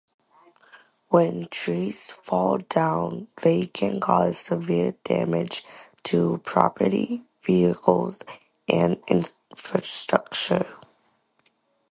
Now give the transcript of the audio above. When trees fall down, they can cause severe damage to property, vehicles, and infrastructure.